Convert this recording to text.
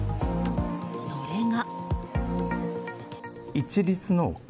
それが。